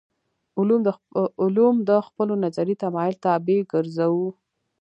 علوم د خپلو نظري تمایل طابع ګرځوو.